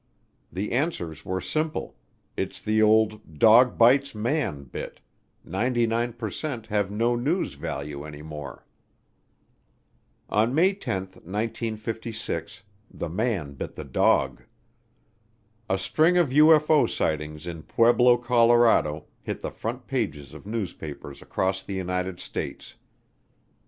The answers were simple, it's the old "dog bites man" bit ninety nine per cent have no news value any more. On May 10, 1956, the man bit the dog. A string of UFO sightings in Pueblo, Colorado, hit the front pages of newspapers across the United States.